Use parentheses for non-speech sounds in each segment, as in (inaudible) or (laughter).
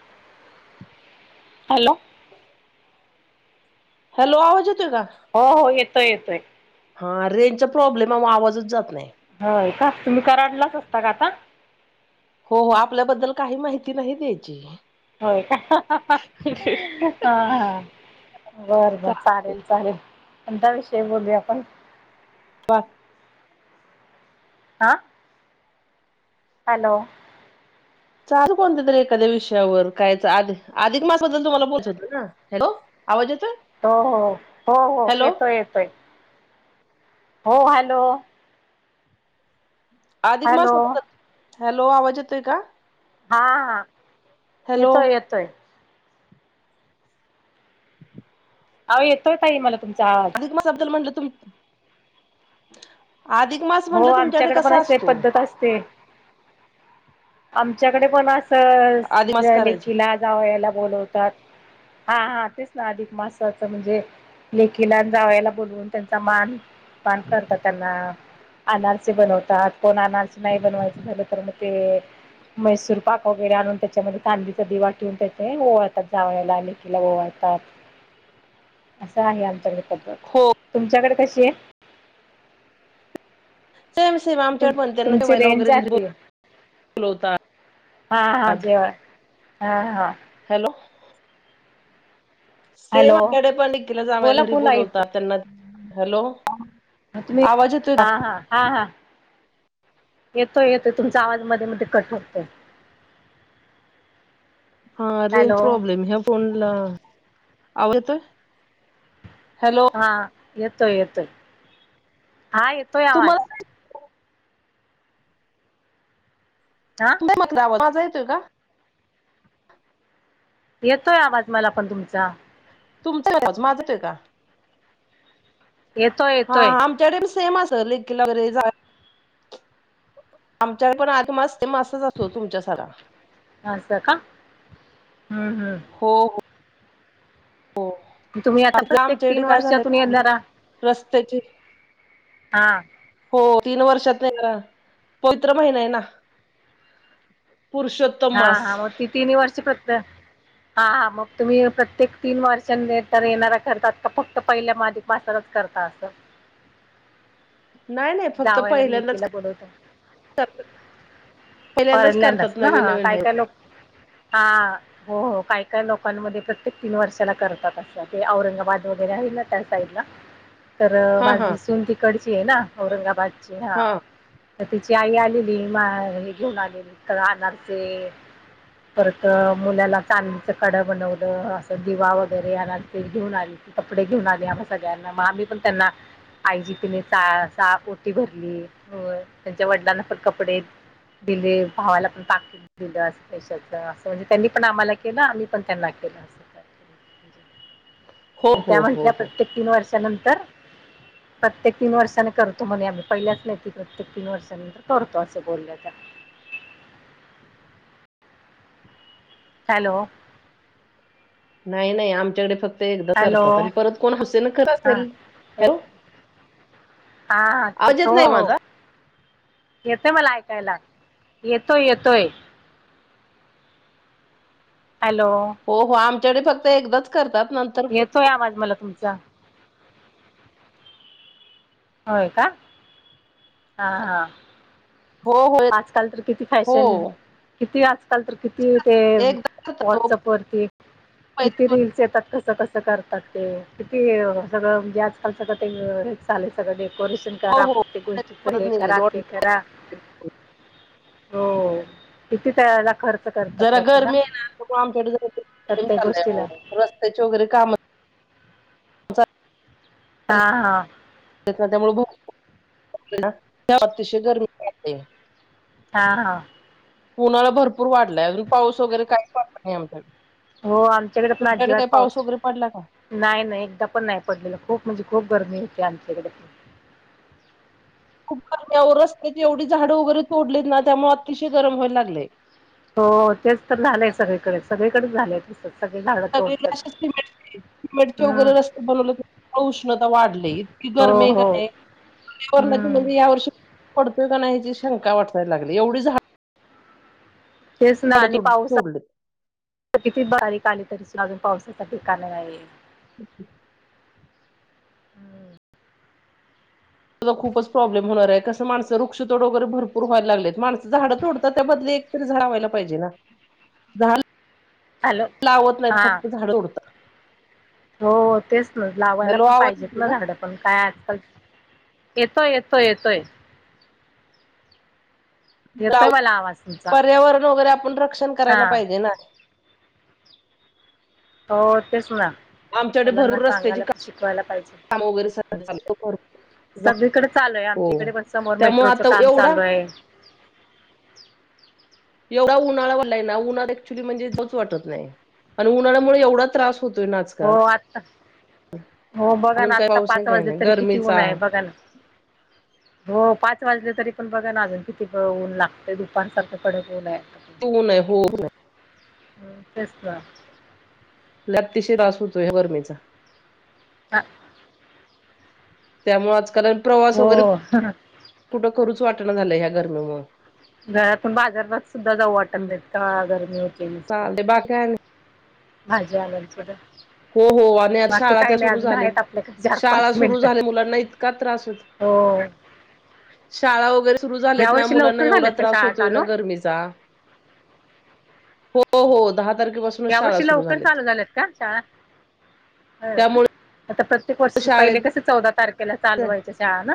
(inaudible) Hello. Hello आवाज येतो आहे का? हो हो येतोय येतोय. हा रेंजचा प्रॉब्लेम आहे मग, आवाजच जात नाही. होय काय तुम्ही कराडलाच असता का आता? हो हो आपल्याबद्दल काही माहिती नाही द्यायची. होय का. हा हा बरं बर चालेल चालेल पण त्या विषयी बोलू आपण. वा. हा. हॅलो. चालू कोणते तरी एखाद्या विषयावर कायच आध आधिक मास बद्दल तुम्हाल?, पोचायचे ना, हो आवाज येतोय. हो हो हो हो हॅलो येतोय येतोय. हो हॅलो. अधिक मास हॅलो हॅलो आवाज येतोय का? हा हा हॅलो येतोय येतोय. अह येतोय ताई मला तुमचा आवाज. अधिक म सबदल म्हटलं तु्ही आधिक मास. हो म्हटलं तुमच्याकडे आमच्याकडे पण कसा असे असतो? पद्धत असते. आमच्याकडे पण असं अधिक मास करायचा लेकीला जावयाला बोलावतात हा हा तेच अधिक मासाच म्हणजे लेकीला जावयाला बोलून त्यांचा मान पान करतात. त्यांना अनारचे बनवतात कोण आनारचे नाही बनवायचं झालं तर मग ते मैसूर पाक वगैरे आणून त्याच्यामध्ये चांदीचा, दिवा ठेवून त्याचे ओवळतात जावयाला लेकीला ओवाळतात. असा आहे आमच्या पद्धत. हो. तुमच्याकडे कशी हाय सेम सेम आहे आमच्याकड पण त्यांना तुमची जेवायला रेंज वगैरे घरी जाते बोलतात. हा हां जेवाय हा हां. हॅलो. सेम हॅलो आपल्याकडे लेकीला, जावयाला बोला घरी बोला येतो बोलावतात त्यांना हॅलो. आ तुम्ही आवाज येतोय हा का? हा. हा हा येतोय येतोय तुमचा आवाज मध्ये मध्ये कट होतोय. (inaudible) हा रेंज हॅलो प्रॉब्लेम ह्या व फोनला आवाज येतोय हॅलो. हा येतोय येतोय हा येतोय आवाज. तुम्हाला हा माझा येतोय का (unintelligible) येतोय आवाज मला पण तुमचा. तुमचा येतोय का माझाच येतोय (unintelligible) येतोय हा येतोय आमच्याकडे पण सेम अस लेकीला वगैरे जा आमच्या पण आध, मास ते मास असतो तुमच्या सारा ह अस का ह् ह्. हो हो. तुम्ही आता आ प्रत्येक आमच्याकडे तीन काय झालंय वर्षातून येणारा प्रॉब्लेम रस्त्याचे हा हो तीन वर्षात न पवित्र महिना आहे ना. पुरुषोत्तम हा मास. हा मग ती तिनही वर्ष फत हा हा मग तुम्ही प्रत्येक तीन वर्ष तर येणार करतात का फक्त पहिल्या अधिक बसरच करत असं. नाही नाही फक्त जावायला पहिल्यांदाच लेकीला बोलवतात. पहिल्यांदाच करतात ना नवीन नवीन काय आहे. काय लोक हा. हो हो काय काय लोकांमध्ये प्रत्येक तीन वर्षाला करतात असं ते औरंगाबाद वगैरे आहे. ना त्या साईडला. तर हा हा माझी सून तिकडची आहे. ना औरंगाबादची हा. तर तिची आई आलेली म हे घेऊन आलेली अनारसे. परत मुलाला चांदीचं कड बनवलं असं दिवा वगैरे ना ते घेऊन आली. कपडे घेऊन आले आम्हा सगळ्यांना मग आम्ही पण त्यांना आईची तिने सा ओटी भरली त्यांच्या वडिलांना पण कपडे. दिले भावाला पण पाकीट दिलं पैशाच असं म्हणजे त्यांनी पण आम्हाला केलं आम्ही पण त्यांना केलं अस. हो (inaudible) त्या हो हो म्हणल्या हो. प्रत्येक तीन वर्षानंतर प्रत्येक तीन वर्षांनी करतो. त्या म्हणे आम्ही पहिलेच लेकीच्या तीन वर्षानंतर करतो अशा बोललेल्या. हॅलो. नाही नाही आमच्याकडे फक्त. ते एकदा हॅलो करतात आणि परत कोण हौसेनंकरत हां असेल हो. हा हा तेच येत हो नाही हो. माझा येतोय मला ऐकायला येतोय येतोय. हॅलो. हो हो आमच्याकडे फक्त एकदाच करतात नंतर येतो आवाज मला तुमचा. होय का! हा हा हो होय आजकाल तर किती फॅशन किती आज आजकाल तर किती ते एकदा करतात हो वॉट्सअप वरती किती पहिले रीलस येतात कस कस करतात ते किती हे सगळं म्हणजे आजकालच ते हे झाले सगळं डेकोरेशन हो करा हो प्रत्येक गोष्टी तर परत हे निघाले करा ते दोन. करा हो किती त्याला खर्च करतात जरा लोक ना गरमी आहे ना आमच्याकडे प्रत्येक चालले ओ गोष्टीला रस्त्याचे वगैरे काम हां हां त्यामुळे ते अतिशय गरमीते हा हा उन्हाळा भरपूर वाढलाय अजून पाऊस वगैरे काही पडत नाही आमच्याकडे हो आमच्याकडे पण तुमच्याकडे अजिबात काही पाऊस वगैरे पडला का नाही नाही एकदा पण नाही पडलेलं खूप म्हणजे खूप गरमी होती आमच्याकडे खूप गरमवर रस्ते एवढी झाडं वगैरे तोडलेत ना त्यामुळे अतिशय गरम व्हायला लागले. हो तेच तर झालंय सगळीकडे सगळीकडेच झालंय तसच सगळीकडे असचं सिमेटचे हम्म वगैरे रस्ते बनवले उष्णता वाढली इतकी हो गरमी आहे हो क नी पर्यावरणाची हम्म म्हणजे या वर्षी पडतोय का नाहीची शंका वाटायला लागली एवढी झाडे तेच ना आणि तोड पाऊसात तोडलीत. किती बारीक आली तरी सुद्धा अजून पावसाच ठिकाण नाही. (unintelligible) हम् त खूपच प्रॉब्लेम होणार आहे कसं माणसं वृक्षतोड वगैरे भरपूर व्हायला लागलेत माणसं झाडं तोडतात त्या बदली एक झाड लावायला पाहिजे ना हॅलो लावत नाहीत हा फक्त झाड उडत हो तेच ना लावायला पण आवाज पाहिजेत ना येतोय झाडं पण काय आजकाल येतोय येतोय येतोय जा येतोय मला आवाज तुमचा पर्यावरण वगैरे आपण रक्षण करायला हा पाहिजे ना हो ते सुना आमच्याकडे मलांना भरपूर रस्त्याची सांगायला शिकवायला पाहिजे काम वगैरे सगळं चालू भरपूर सगळीकडे चालू आहे हो आमच्या इकडे बस समोर त्यामुळे मेट्रोचं आता काम एवढा चालू आहे एवढा उन्हाळाला ना उन्हाळा ऍक्च्युली म्हणजेच वाटत नाही आणि उन्हाळ्यामुळे एवढा त्रास होतो ना हो आजकाल आत्ता हो बघा अजून ना काही आता पाऊस नाही पाच काही वाजले नाही तरी किती गरमीचा ऊन आहे बघा ना हो पाच वाजले तरी पण बघा ना अजून किती ऊन लागते दुपार सारं कडक ऊन आहे तऊ नाहीय होऊनय ह तेच ल अतिशय राास होतो ह्या गरमेचा हा त्यामुळे आजकाल प्रवास वगैरे हो कुठं करूच वाटणं झालं ह्या गरमीमुळ घरातून बाजारलाच सुद्धा जाऊ वाटत नाही इतका गरमी होते नुसत चालतंय बाकी काय नाही भाजी आणायला सुद्धा हो हो आणि आज बाकी शाळा काही त्या नाही सुरू अजून आहेत झाल्यात आपल्याकडे चार शाळा पाच सुरू मिनिटं झाल्या मुलांना इतका त्रास होत हो शाळा वगैरे सुरू या झाल्यात ना वर्षी मुलांना लवकर एवढा झाल्यात का त्रास शाळा होतोय ना चालू? गर्मीचा हो हो दहा तारखेपासून यावर्षी लवकर चालू झाल्यात का शाळा त्यामुळे आता प्रत्येक वर्षी पहिले शाळेत कसे चौदा तारखेला चालू व्हायच्या शाळा ना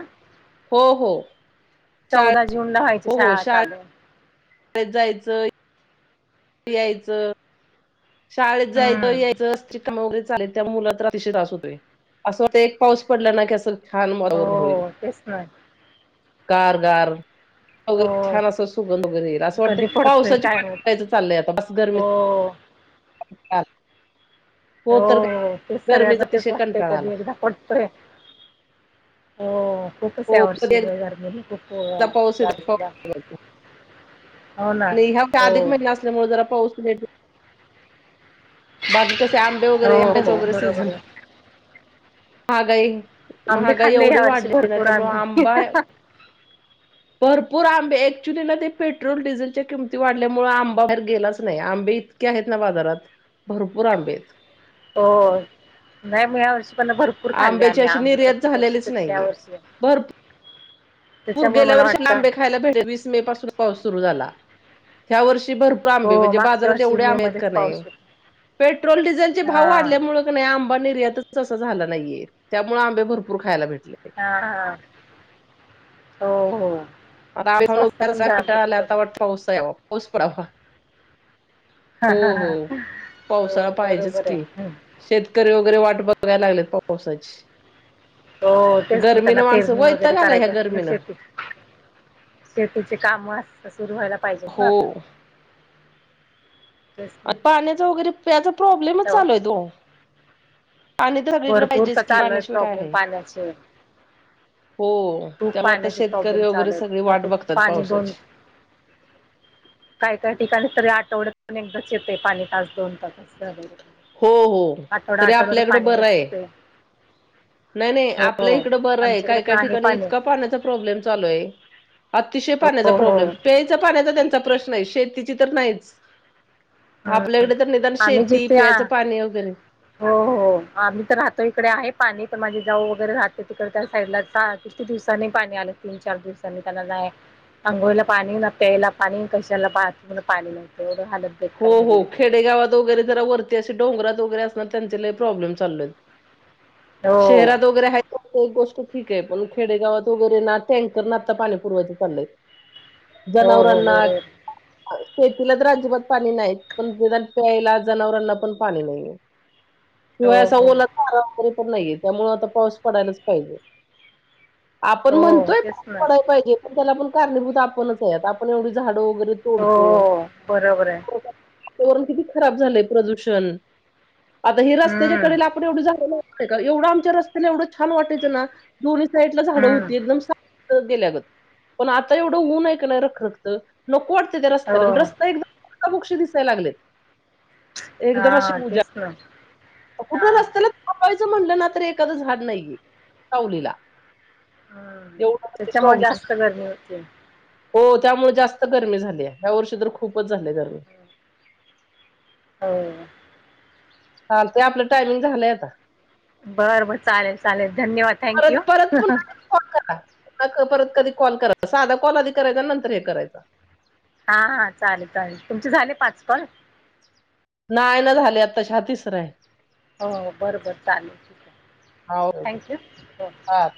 हो हो शाळे चौदा जून ला व्हायचं हो हो शाळ शाळेत चालू. जायचं. यायचं शाळेत जायचं हम्म. यायचं अस वरे चाले त्या मुलाशतो अस एक पाऊस पडला ना असं छान मारवर होईल, हो तेच ना. कारगार वगैरे हो. छान असं सुगन वगैरे येईल असं कधी वाटत पडतोय पावसाची काय माहित? पारायचं चाललंय आता ब गरमी हो. हा. हो तेच सगळ्यांना गरमीचा तेच अतिशय वाटतेय कंटाळा कधी आला एकदा पटतोय. हो खूपच हो कधी यावर्षी एकदा (unintelligible) खूप पाऊस येतो राजला पाऊस बघायचा आणि ह्या अधिक महिन्या असल्यामुळे जरा पाऊस बाकी कसे आंबे वगैरे हो हो आंब्याचं वगैरे बरोबर सीझन, आहे. महागाई आंबे महागा खाल्ले एवढी या वर्षी वाढलेली ना भरपूर त्यामु आम्ही. आंबा भरपूर आंबे ऍक्च्युली ना ते पेट्रोल डिझेलच्या किमती वाढल्यामुळे आंबा बाहेर गेलाच नाही आंबी आहेत ना बाजारात भरपूर आंबे आहेत. हो नाही मी या पण भरपूर खाल्ले आंब्याची आम्ही अशी आंबट निर्यात प्रत्येक वर्षी झालेलीच कक्ष नाहीये वर्षी. पूर त्याच्यामुळे गेल्या मला वर्षी वाटतं लांबे खायला भेटले वीस मे पासून पाऊस सुरु झाला, या वर्षी भरपूर आंबे हो म्हणजे मागच्या बाजारात वर्षी एवढे मे आंब आहेत मध्येच का पाऊस नाही होता पेट्रोल डिझेलचे भाव हा वाढल्यामुळे नाही आंबा निर्यातच अस झाला नाहीये त्यामुळे आंबे भरपूर खायला भेटले. हा हा, हो हो. आम स्वस्त पण जाम होत म्हणरकटला सगळं आता वाट पाऊसवा पाऊस पडावा. हा हो हा हो हा हो पावसाळा पाहिजेच बरोबर की. आहे शेतकरी वगैरे वाट बघायला लागलेत पावसाची. हो तेच ना त्यांना गरमीनं माणसं पेरणी वगैरे वैताग आलाय ह्या करायची असते ना गरमीनं शेती. शेतीचे काम अस सुरू व्हायला पाहिजेत ना हो आता. तेच ना पाण्याचा वगैरे त्याचा प्रॉब्लेमच तेव्हा चालू आहे तो. पाणी तर सगळीकडे भरपूर का पाहिजेच की चालोय पाण्याशिवाय काय प्रॉब्लेम आहे पाण्याचे हो खूप त्यामुळे आता पाण्याचे शेतकरी प्रॉब्लेम वगैरे चालू सगळी वाट आहेत बघतात पाणी दोन पावसाची (inaudible) काय काय ठिकाणी तरी आठवडतण एकदाचेते पाणी तास दोन तास असगैर. हो हो तरी आपल्याकडं बर आहे. नसते नाही नाही हो आपल्या इकडं बरं आहे आमच्याकडे काय पण काय आहे ठिकाणी पाणी इतका पाण्याचा प्रॉब्लेम चालू आहे. अतिशय पाण्याचा हो हो प्रॉब्लेम पे पाण्याचा त्यांचा प्रश्न आहे शेती तर नाही हम्म. आपल्याकडे तर निदान शे आम्ही जिथे आ हो हो. आम्ही तर राहतो इकडे आहे पाणी तर माझे जाऊ वगैरे राहते तिकडे त्या साईडला किती दिवसाांनी पाणी आलं तीन चार दिवसांनी त्यांना जाय अंघोळीला पाणी ना प्यायला पाणी कशाला बाथरूमला पाणी लावतं एवढं हलत हो हो खेडेगावात वगैरे जरा वरती अे डोंगरात वगैरे असणार त्यांच्याही प्रॉब्लेम चालू आहेत. हो शेहरात वगैरे ह एक गोष्ट ठीक आहे पण खेडेगावात वगैरे ना टँकर ना आता पाणी पुरवच चाललंय. हो हो जनावरांना बरोबर शेतीला तर आजीब पाणी नाही पण प्यायला जनावरांना पण पाणी नाहीय शिवाय हो असा हो ओला (unintelligible) पण नाहीये त्यामुळे आता पाऊस पडायलाच पाहिजे आपण हो म्हणतोय तेच ना पडयला पाहिजे. पण त्याला आपण कारणीभूत आपणच आहे आपण एवढी झाडं वगैरे तोडतो. हो बरोबर आहे. वरण किती खराब झालंय प्रदूषण, आता हे हम्म रस्त्याच्याकडे ला (unintelligible) एवढं आमच्या रस्त्याला एवं छान वाटयचं ना दो साईड ला झाडं हम्म होती एकदम गेल्यागत, पण आता एवढं ऊन ऐ का नाही रखरखत नको वाटते त्या रस्त्याला हो रस्ता एक (unintelligible) दिसाय लागलय. एकदम असे हा उजा, तेच ना हा कुठ रसत्या ला आपपायचं म्हणलं ना तर एखादं झाड नाहीये, सावलीला. हम्म तेवढा ते त्याच्यामुळे प्रॉब्लेम जास्त गरमी होते हो त्यामुळे जास्त गर्मी झाल्या ह्या वर्षी तर खूपच झाल्या गरमी. हो. चालतंय आपलं टायमिंग झालंय आता. बर बर चालेल चालेल धन्यवाद थँक परत यू. परत (unintelligible) परत कधी कॉल करा साधा कॉल आधी करायचा नंतर हे करायच. हा हा चालेल चालेल तुमचे झाले पाच कॉल. नाहीय ना झाली आताश हा तिसर आहे. हो बरं बरं चालेल, हा ओके ओके थँक्यू, हो. हा